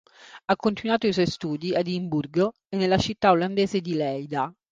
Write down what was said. Ha continuato i suoi studi a Edimburgo e nella città olandese di Leida.